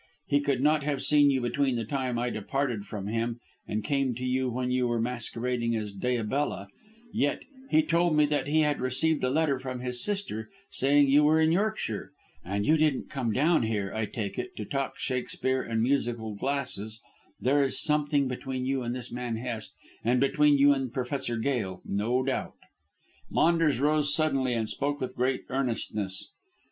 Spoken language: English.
He could not have seen you between the time I parted from him and came to you when you were masquerading as Diabella, yet he told me that he had received a letter from his sister saying you were in Yorkshire. And you didn't come down here, I take it, to talk Shakespeare and musical glasses. There is something between you and this man Hest, and between you and Professor Gail, no doubt." Maunders rose suddenly and spoke with great earnestness.